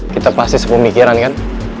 kita pasti sepemikiran kan